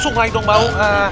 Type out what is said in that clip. sungguh lagi dong bau